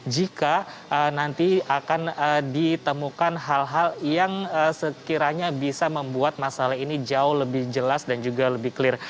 jika nanti akan ditemukan hal hal yang sekiranya bisa membuat masalah ini jauh lebih jelas dan juga lebih clear